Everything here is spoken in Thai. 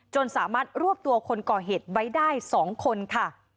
สามารถรวบตัวคนก่อเหตุไว้ได้๒คนค่ะ